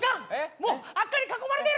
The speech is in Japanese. もう悪漢に囲まれてる！